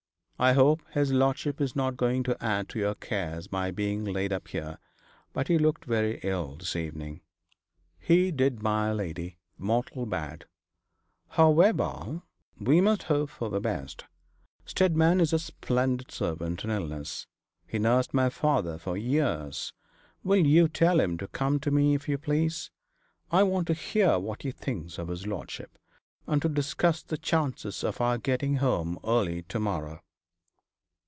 I hope his lordship is not going to add to your cares by being laid up here, but he looked very ill this evening.' 'He did, my lady, mortal bad.' 'However, we must hope for the best. Steadman is a splendid servant in illness. He nursed my father for years. Will you tell him to come to me, if you please? I want to hear what he thinks of his lordship, and to discuss the chances of our getting home early to morrow.'